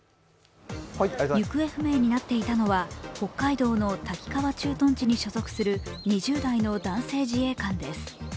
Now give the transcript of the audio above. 行方不明になっていたのは北海道の滝川駐屯地に所属する２０代の男性自衛官です。